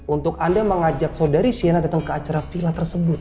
untuk anda mengajak saudari siana datang ke acara villa tersebut